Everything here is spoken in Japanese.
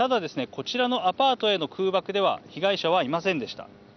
こちらのアパートへの空爆では被害者はいませんでした。